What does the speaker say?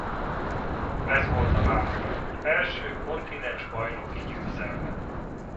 Ez volt a válogatott első kontinens bajnoki győzelme.